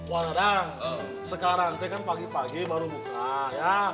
wah nanti kan pagi pagi baru buka